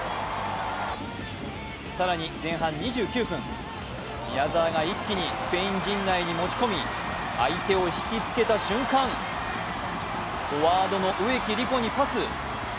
更に前半２９分、宮澤が一気にスペイン陣内に持ち込み相手を引きつけた瞬間、フォワードの植木理子にパス。